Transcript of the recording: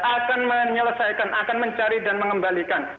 akan menyelesaikan akan mencari dan mengembalikan